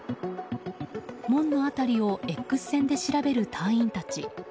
門の辺りをＸ線で調べる隊員たち。